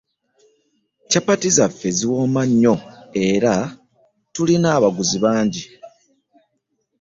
Kyapati zaffe ziwooma nnyo era tulina abaguzi bangi.